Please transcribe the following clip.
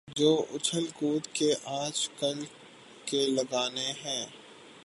جو اچھل کود کے آج کل کے گانے ہیں۔